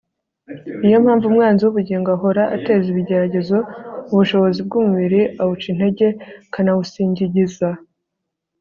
niyo mpamvu umwanzi w'ubugingo ahora ateza ibigeragezo ubushobozi bw'umubiri awuca intege akanawusigingiza